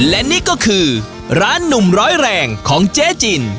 และนี่ก็คือร้านหนุ่มร้อยแรงของเจ๊จิน